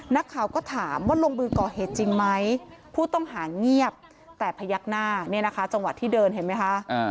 นักข่าวก็ถามว่าลงมือก่อเหตุจริงไหมผู้ต้องหาเงียบแต่พยักหน้าเนี่ยนะคะจังหวะที่เดินเห็นไหมคะ